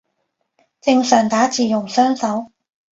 正常打字用雙手